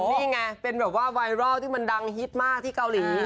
นี่ไงเป็นแบบว่าไวรัลที่มันดังฮิตมากที่เกาหลี